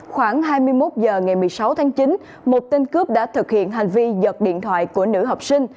khoảng hai mươi một h ngày một mươi sáu tháng chín một tên cướp đã thực hiện hành vi giật điện thoại của nữ học sinh